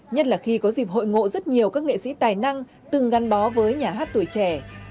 nhất là khi có dịp hội ngộ rất nhiều các nghệ sĩ tài năng từng gắn bó với nhà hát tuổi trẻ